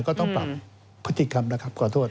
ก็ต้องปรับผู้จิตกรรมล่ะขอโทษ